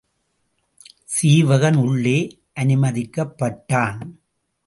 சீவகன் உள்ளே அனுமதிக்கப்பட்டான்.